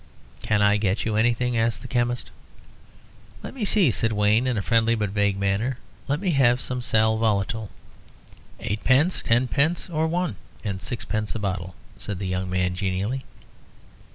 "Can I get you anything?" asked the chemist. "Let me see," said Wayne, in a friendly but vague manner. "Let me have some sal volatile." "Eightpence, tenpence, or one and sixpence a bottle?" said the young man, genially.